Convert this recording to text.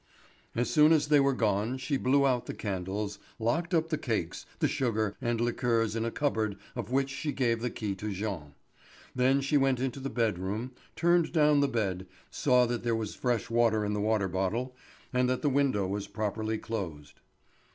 As soon as they were gone she blew out the candles, locked up the cakes, the sugar, and liqueurs in a cupboard of which she gave the key to Jean; then she went into the bed room, turned down the bed, saw that there was fresh water in the water bottle, and that the window was properly closed.